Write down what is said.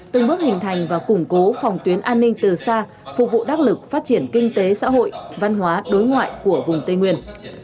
từng bước hình thành và củng cố phòng tuyến an ninh từ xa phục vụ đắc lực phát triển kinh tế xã hội văn hóa đối ngoại của vùng tây nguyên